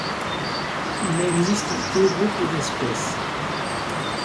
Il existe deux groupes d'espèces.